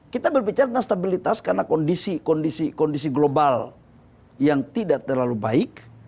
kita berbicara tentang stabilitas karena kondisi kondisi global yang tidak terlalu baik